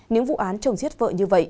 nếu vụ án chồng giết vợ như vậy